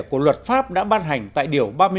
của luật pháp đã ban hành tại điều ba mươi hai